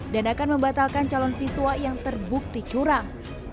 dan akan membatalkan calon siswa yang terbukti curang